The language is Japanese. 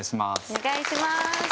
お願いします。